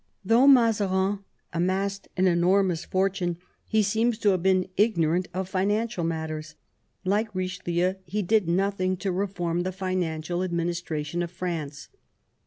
Though Mazarin amassed an enormous fortune, he seems to have been ignorant of financial matters. Like Richelieu, he did nothing to reform the financial admin istration of France.